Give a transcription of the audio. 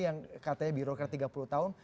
yang katanya birokrat tiga puluh tahun